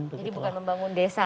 jadi bukan membangun desa